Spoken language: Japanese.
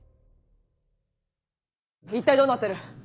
一体どうなってる？